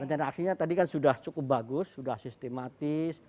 rencana aksinya tadi kan sudah cukup bagus sudah sistematis